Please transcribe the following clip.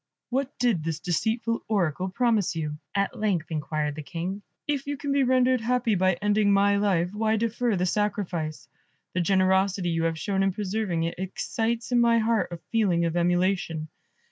"What did this deceitful Oracle promise you?" at length inquired the King. "If you can be rendered happy by ending my life, why defer the sacrifice? The generosity you have shown in preserving it, excites in my heart a feeling of emulation.